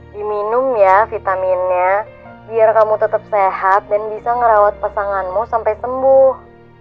diminum ya vitaminnya biar kamu tetap sehat dan bisa ngerawat pasanganmu sampai sembuh